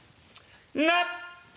「なっ！」。